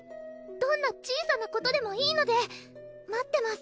どんな小さなことでもいいので待ってます